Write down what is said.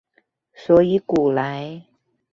所以古來